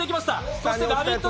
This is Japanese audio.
そして、ラヴィット！